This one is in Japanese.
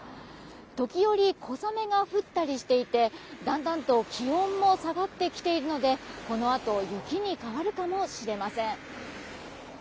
時折、小雨が降ったりしていてだんだんと気温も下がってきているのでこのあと雪に変わるかもしれません。